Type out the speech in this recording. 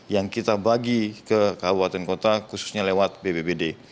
yang kita bagi ke kabupaten kota khususnya lewat bbbd